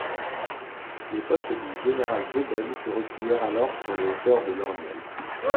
Les postes du général Debelle se replièrent alors sur les hauteurs de Loriol.